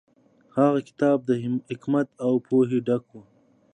هغه کتاب د حکمت او پوهې ډک و.